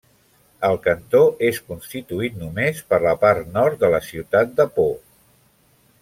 El cantó és constituït només per la part nord de la ciutat de Pau.